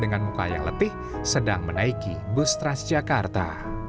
dan duduk dengan muka yang letih sedang menaiki bustras jakarta